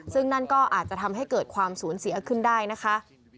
ซึ่งนั่นก็อาจจะทำให้เกิดความสูญเสียขึ้นได้นะคะ